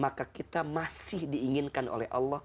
maka kita masih diinginkan oleh allah